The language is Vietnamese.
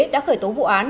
đã khởi tố vụ án